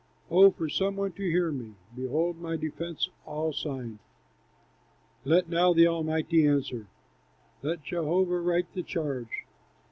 "Oh, for some one to hear me! Behold my defense all signed! Let now the Almighty answer, Let Jehovah write the charge!